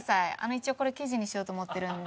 一応これ記事にしようと思ってるんで。